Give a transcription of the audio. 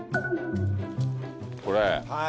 これ？